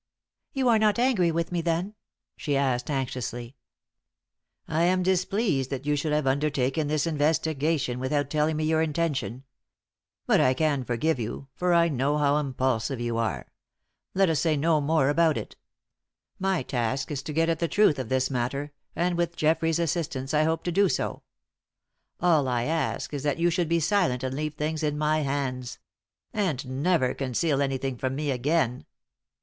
"You are not angry with me, then?" she asked, anxiously. "I am displeased that you should have undertaken this investigation without telling me your intention. But I can forgive you, for I know how impulsive you are. Let us say no more about it. My task is to get at the truth of this matter; and with Geoffrey's assistance I hope to do so. All I ask is that you should be silent and leave things in my hands. And never conceal anything from me again."